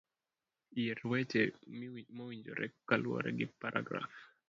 Yier weche mowinjore kaluwore gi paragraf